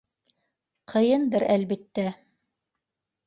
Ҡыйындыр, әлбиттә.